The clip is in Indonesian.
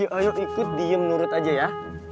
ayo ikut diem nurut aja ya